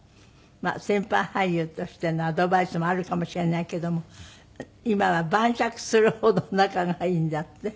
先輩俳優としてのアドバイスもあるかもしれないけども今は晩酌するほど仲がいいんだって？